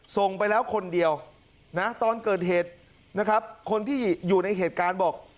ส่งไปแล้วคนเดียวนะตอนเกิดเหตุนะครับคนที่อยู่ในเหตุการณ์บอก